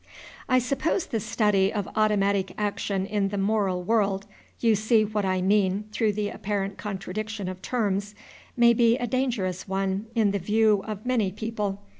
I suppose the study of automatic action in the moral world (you see what I mean through the apparent contradiction of terms) may be a dangerous one in the view of many people.